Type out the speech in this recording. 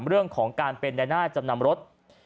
เรื่องของการเป็นในหน้าจำนำรถ